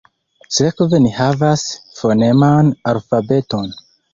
Sekve ni havas foneman alfabeton.